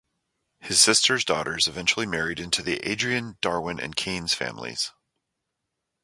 His sister's daughters eventually married into the Adrian, Darwin, and Keynes families.